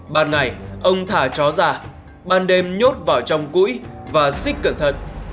ban ngày ông thả chó ra ban đêm nhốt vào trong quỹ và xích cẩn thận